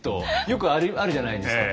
よくあるじゃないですか